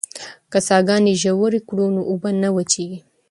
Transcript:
که څاګانې ژورې کړو نو اوبه نه وچېږي.